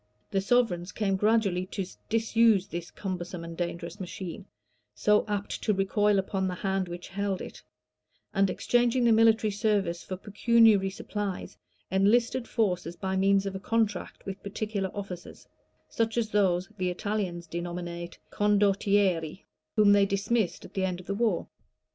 The sovereigns came gradually to disuse this cumbersome and dangerous machine, so apt to recoil upon the hand which held it; and exchanging the military service for pecuniary supplies, enlisted forces by means of a contract with particular officers, (such as those the Italians denominate "condottieri,") whom they dismissed at the end of the war.